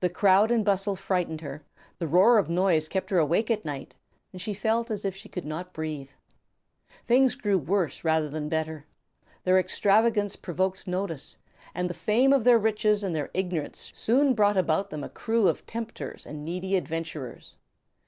The crowd and bustle frightened her, the roar of noise kept her awake at night, she felt as if she could not breathe. Things grew worse rather than better. Their extravagance provoked notice, and the fame of their riches and their ignorance soon brought about them a crew of tempters and needy adventurers.